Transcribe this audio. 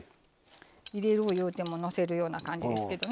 入れる言うてものせるような感じですけどね。